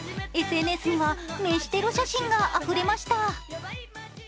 ＳＮＳには飯テロ写真があふれました